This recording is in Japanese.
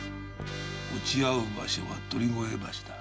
落ち合う場所は鳥越橋だ。